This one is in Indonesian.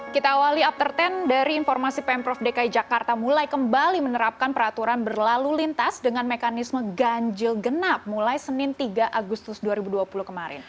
kita awali after sepuluh dari informasi pemprov dki jakarta mulai kembali menerapkan peraturan berlalu lintas dengan mekanisme ganjil genap mulai senin tiga agustus dua ribu dua puluh kemarin